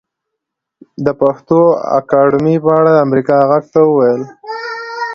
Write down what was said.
د پښتو اکاډمۍ په اړه امريکا غږ ته وويل